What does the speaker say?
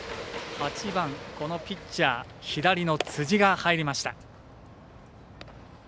８番のピッチャー左の辻が入りました。